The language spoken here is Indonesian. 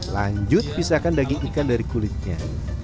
lanjut pisahkan daging ikan dari kulitnya